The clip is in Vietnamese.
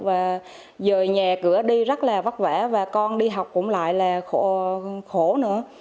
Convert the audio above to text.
là dời nhà cửa đi rất là vất vả và con đi học cũng lại là khổ nữa